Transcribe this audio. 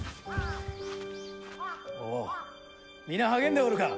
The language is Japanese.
お皆励んでおるか？